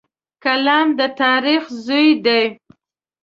قلم د تاریخ زوی دی